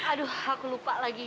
aduh aku lupa lagi